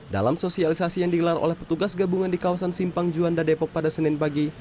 dalam sosialisasi yang digelar oleh petugas gabungan di kawasan simpang juanda depok pada senin pagi